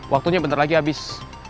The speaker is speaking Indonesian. waktunya bentar lagi habis